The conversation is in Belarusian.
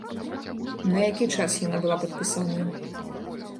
На які час яна была падпісаная?